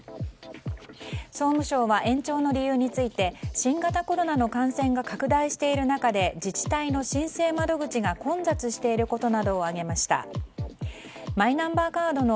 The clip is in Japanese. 総務省は延長の理由について新型コロナの感染が拡大している中で自治体の申請窓口が混雑していることなどを挙げました。